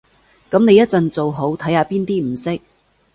噉你一陣做好，睇下邊啲唔識